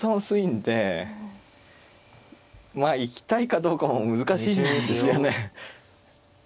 薄いんでまあ行きたいかどうかも難しいんですよね。